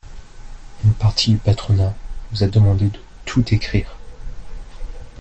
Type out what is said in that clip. Une partie du patronat nous a demandé de tout écrire.